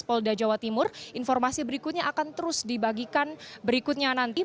polda jawa timur informasi berikutnya akan terus dibagikan berikutnya nanti